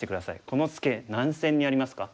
このツケ何線にありますか？